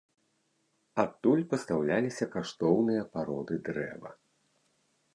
Адтуль пастаўляліся каштоўныя пароды дрэва.